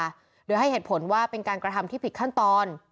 หรือให้เหตุผลว่าเป็นการกระทำที่ผิดขั้นตอน